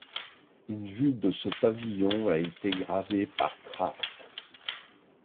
Une vue de ce pavillon a été gravée par Krafft.